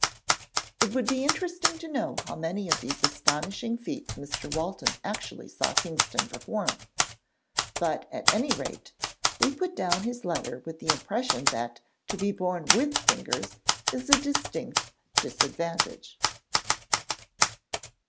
It would be interesting to know how many of these astonishing feats Mr. Walton actually saw Kingston perform. But at any rate we put down his letter with the impression that to be born with fingers is a distinct disadvantage.